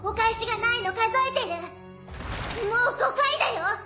もう５回だよ！